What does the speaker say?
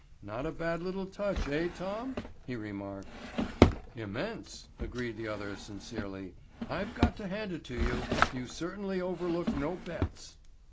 "Not a bad little touch, eh, Tom?" he remarked. "Immense," agreed the other sincerely. "I've got to hand it to you. You certainly overlook no bets."